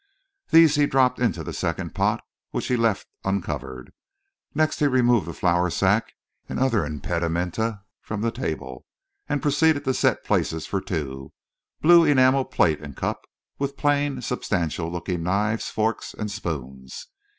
These he dropped into the second pot, which he left uncovered. Next he removed the flour sack and other inpedimenta from the table, and proceeded to set places for two—blue enamel plate and cup, with plain, substantial looking knives, forks, and spoons.